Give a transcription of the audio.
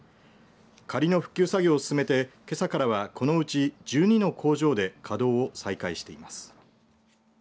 仮の復旧作業を進めてけさからは、このうち１２の工場で稼働を再開しています。